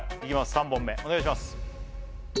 ３本目お願いします